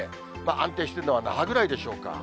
安定しているのは那覇ぐらいでしょうか。